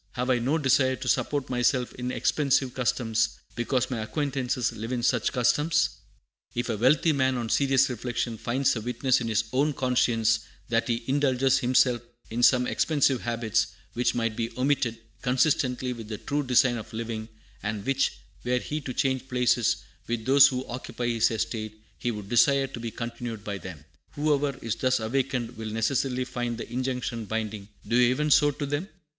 Have I no desire to support myself in expensive customs, because my acquaintances live in such customs? "If a wealthy man, on serious reflection, finds a witness in his own conscience that he indulges himself in some expensive habits, which might be omitted, consistently with the true design of living, and which, were he to change places with those who occupy his estate, he would desire to be discontinued by them, whoever is thus awakened will necessarily find the injunction binding, 'Do ye even so to them.'